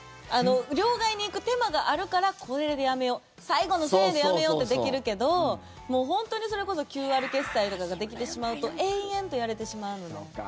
両替に行く手間があるからこれでやめよ最後の１０００円でやめよってできるけど本当にそれこそＱＲ決済とかができてしまうと延々とやれてしまうので。